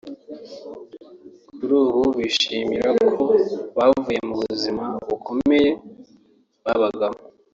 kuri ubu bishimira ko bavuye mu buzima bukomeye babagamo